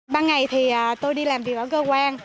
ban ngày thì tôi đi làm việc ở cơ quan